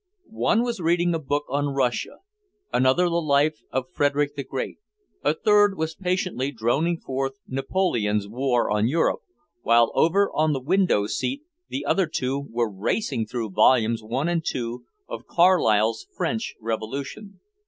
One was reading a book on Russia, another the life of Frederick the Great, a third was patiently droning forth Napoleon's war on Europe, while over on the window seat the other two were racing through volumes one and two of Carlyle's French Revolution.